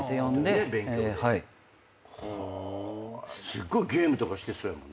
すっごいゲームとかしてそうやもんね。